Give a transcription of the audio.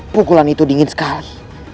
pukulan itu dingin sekali